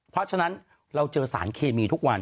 เพราะฉะนั้นเราเจอสารเคมีทุกวัน